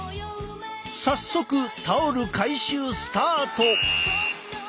早速タオル回収スタート！